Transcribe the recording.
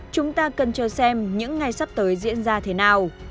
chúng ta cần chờ xem những ngày sắp tới diễn ra thế nào